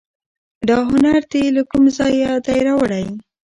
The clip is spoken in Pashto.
دا هنر دي له کوم ځایه دی راوړی